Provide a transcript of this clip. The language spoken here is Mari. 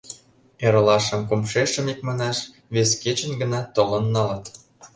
Эрлашым-кумшешым, икманаш, вес кечын гына толын налыт.